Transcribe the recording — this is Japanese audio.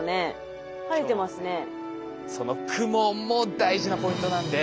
その雲も大事なポイントなんで。